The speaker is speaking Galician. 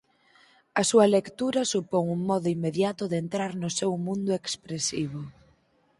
A súa lectura supón un modo inmediato de entrar no seu mundo expresivo.